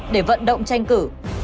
để vận động tranh cử